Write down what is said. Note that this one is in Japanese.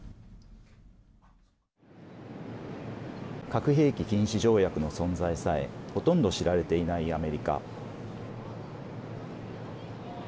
核兵器禁止条約の存在さえほとんど知られていないアメリカ。